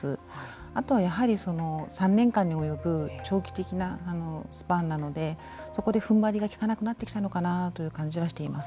あとはやはり３年間に及ぶ長期的なスパンなのでそこでふんばりが利かなくなってきたのかなという感じがします。